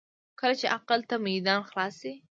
کله چې عقل ته میدان خلاص شي.